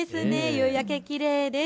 夕焼け、きれいです。